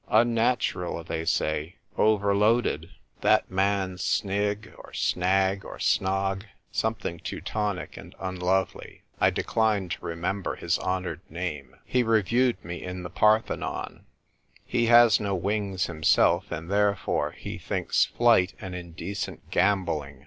' Un natural,' they say; 'Overloaded.' That man Snigg, or Snagg, or Snogg — something Teu tonic and unlovely — I decline to remember his honoured name — he reviewed me in the "NOW BARABBAS WAS A PUBLISHER." 151 Parthenon. He has no wings himself, and therefore he thinks flight an indecent gambol Hng.